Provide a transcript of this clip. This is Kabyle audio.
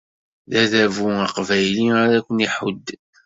D adabu aqbayli ara ken-iḥudden.